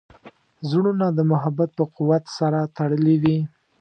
زړونه د محبت په قوت سره تړلي وي.